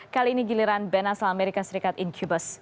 kali ini giliran band asal amerika serikat incubus